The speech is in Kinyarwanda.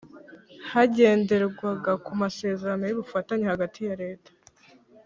Hagenderwaga ku masezerano y’ubufatanye hagati ya reta